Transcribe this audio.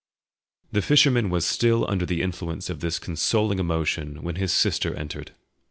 The fisherman was still under the influence of this consoling emotion when his sister entered.